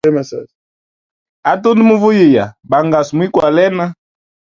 A tundu muvuyiya bangasu mwikwalena.